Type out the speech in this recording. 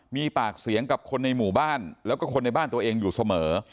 มีปากเสียงกับคนในหมู่บ้านแล้วก็คนในบ้านตัวเองอยู่เสมอ